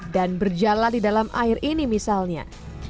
dan berjalan di dalam air ini misalnya